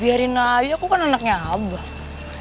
biarin lagi aku kan anaknya abah